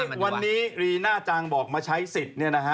ซึ่งวันนี้รีน่าจังบอกมาใช้สิทธิ์เนี่ยนะฮะ